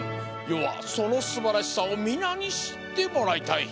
よはそのすばらしさをみなにしってもらいたい。